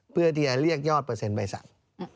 เพื่อที่จะเรียกยอดเปอร์เซ็นใบสั่ง